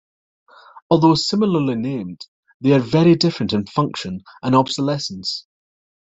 Although similarly named, they are very different in function and obsolescence.